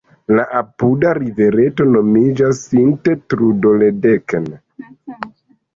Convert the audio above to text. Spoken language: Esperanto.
La apuda rivereto nomiĝas "Sint-Trudoledeken".